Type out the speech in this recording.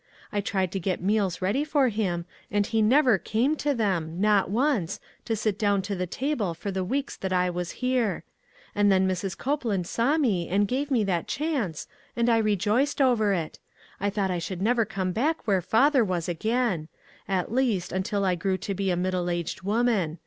I tried to get meals ready for him, and he never came to them ; not once, to sit down to the table for the weeks that I was here. And then Mrs. Copeland saw me and gave me that chance, and I rejoiced over it. I thought 2O6 ONE COMMONPLACE DAY. I should never come back where father was again ; at least, until I grew to be a mid dle aged woman.